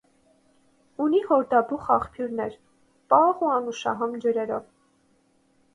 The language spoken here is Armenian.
Ունի հորդաբուխ աղբյուրներ՝ պաղ ու անուշահամ ջրերով։